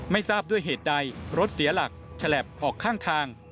ไม่ทราบด้วยเหตุใดรถเสียหลักฉลับออกข้างทาง